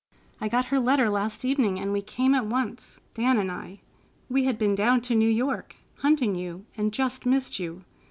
I got her letter last evening, and we came at once, Dan and I. We had been down to New York, hunting you, and just missed you.